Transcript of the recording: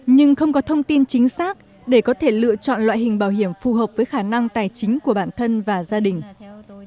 nhưng không có thông tin chính xác để có thể lựa chọn loại hình bảo hiểm phù hợp với khả năng tài chính của bản thân và gia đình